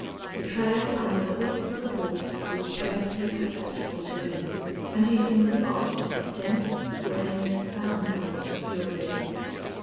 The trail under the hoofs of the horse was scarcely perceptible to him, and he seemed lost in a dense, gray, soundless obscurity.